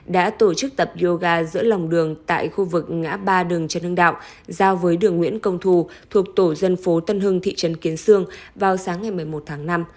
đã tổ chức tập yoga giữa lòng đường tại khu vực ngã ba đường trần hưng đạo giao với đường nguyễn công thù thuộc tổ dân phố tân hưng thị trấn kiến sương vào sáng ngày một mươi một tháng năm